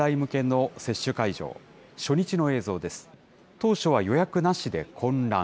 当初は予約なしで混乱。